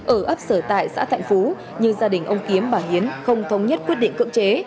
ở ấp sở tại xã thành phú nhưng gia đình ông kiếm và hiến không thống nhất quyết định cưỡng chế